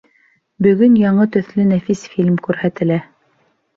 Бөгөн яңы төҫлө нәфис фильм күрһәтелә.